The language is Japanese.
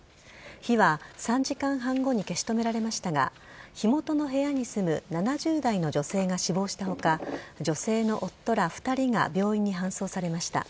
火は３時間半後に消し止められましたが火元の部屋に住む７０代の女性が死亡した他女性の夫ら２人が病院に搬送されました。